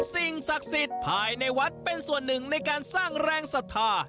สิ่งศักดิ์สิทธิ์ภายในวัดเป็นส่วนหนึ่งในการสร้างแรงศรัทธา